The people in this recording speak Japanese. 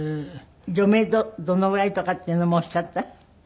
余命どのぐらいとかっていうのもおっしゃった？